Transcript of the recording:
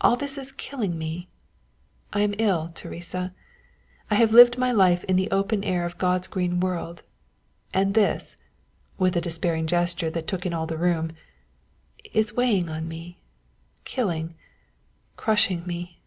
All this is killing me I am ill, Teresa I have lived my life in the open air of God's green world, and this," with a despairing gesture that took in all the room, "is weighing on me killing crushing me."